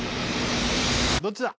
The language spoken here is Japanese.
どっちだ？